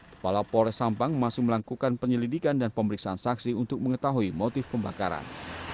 kepala polres sampang masih melakukan penyelidikan dan pemeriksaan saksi untuk mengetahui motif pembakaran